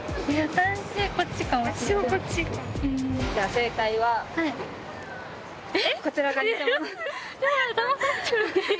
正解は、こちらが偽物です。